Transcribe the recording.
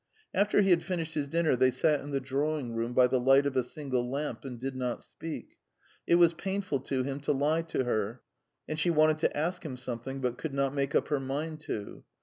After he had finished his dinner they sat in the drawing room by the light of a single lamp, and did not speak; it was painful to him to lie to her, and she wanted to ask him something, but could not make up her mind to.